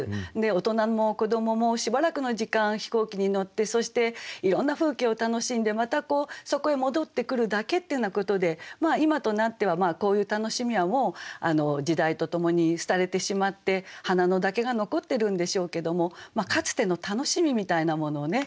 大人も子どももしばらくの時間飛行機に乗ってそしていろんな風景を楽しんでまたそこへ戻ってくるだけっていうようなことで今となってはこういう楽しみはもう時代とともに廃れてしまって花野だけが残ってるんでしょうけどもかつての楽しみみたいなものをね